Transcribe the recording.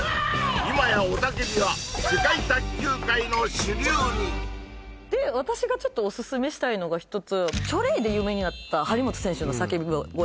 今や雄叫びは世界卓球界の主流に私がちょっとオススメしたいのが一つ「チョレイ」で有名になった張本選手の叫び声